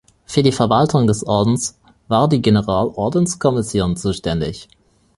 Für die Verwaltung des Ordens war die General-Ordenskommission zuständig.